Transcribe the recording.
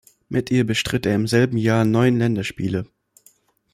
Mit ihr bestritt er im selben Jahr neun Länderspiele.